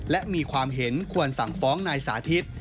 และมีความเห็นควรสั่งฟ้องนายสาธิต